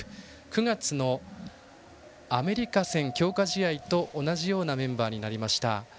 ９月のアメリカ戦強化試合と同じようなメンバーになりました。